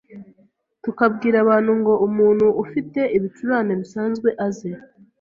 tukabwira abantu ngo umuntu ufite ibicurane bisanzwe aze